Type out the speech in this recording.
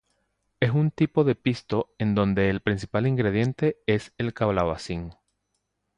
Es un tipo de pisto en donde el principal ingrediente es el calabacín.